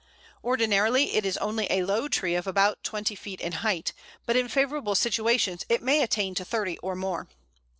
Ordinarily it is only a low tree of about twenty feet in height, but in favourable situations it may attain to thirty feet or more.